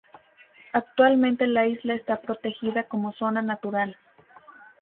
Actualmente la isla está protegida como zona natural.